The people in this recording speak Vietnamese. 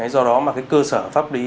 do đó mà cái cơ sở pháp lý